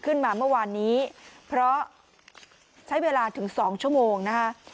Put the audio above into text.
ขึ้นมาเมื่อวานนี้เพราะใช้เวลาถึง๒ชั่วโมงนะคะ